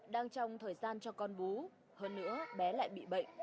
đang trong thời gian cho con bú hơn nữa bé lại bị bệnh